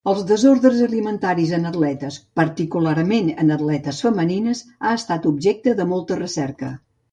Els desordres alimentaris en atletes, particularment en atletes femenines, ha estat objecte de molta recerca.